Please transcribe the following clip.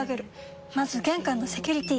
まず玄関のセキュリティ！